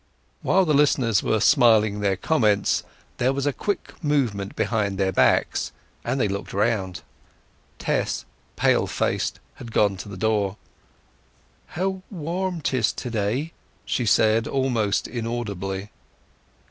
While the listeners were smiling their comments there was a quick movement behind their backs, and they looked round. Tess, pale faced, had gone to the door. "How warm 'tis to day!" she said, almost inaudibly.